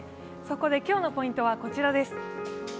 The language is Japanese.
そこで今日のポイントはこちらです。